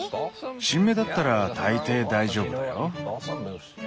新芽だったら大抵大丈夫だよ。